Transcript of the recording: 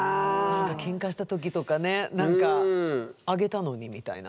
けんかした時とかねなんか「あげたのに」みたいな。